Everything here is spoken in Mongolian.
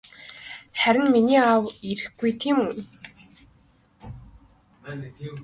Харин миний аав ирэхгүй тийм үү?